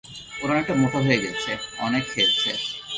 ওরা অনেক মোটা হয়ে গেছে, অনেক খেয়েছে।